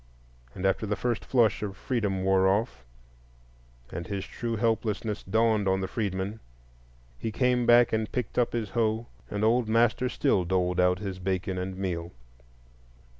And after the first flush of freedom wore off, and his true helplessness dawned on the freedman, he came back and picked up his hoe, and old master still doled out his bacon and meal.